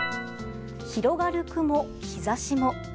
広がる雲、日差しも。